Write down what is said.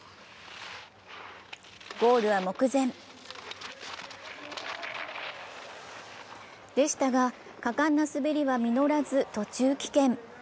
ゴールは目前でしたが、果敢な滑りは実らず途中棄権。